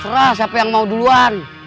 serah siapa yang mau duluan